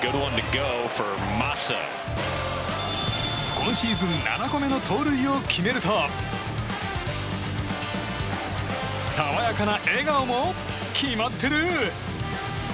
今シーズン７個目の盗塁を決めると爽やかな笑顔も決まってる！